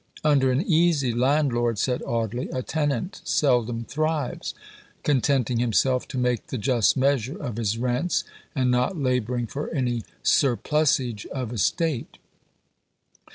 "Under an easy landlord," said Audley, "a tenant seldom thrives; contenting himself to make the just measure of his rents, and not labouring for any surplusage of estate.